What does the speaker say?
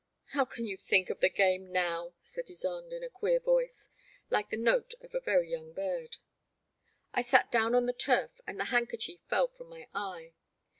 How can you think of the game now? " said Ysonde, in a queer voice — like the note of a very young bird. I sat down on the turf, and the handkerchief fell from my eye.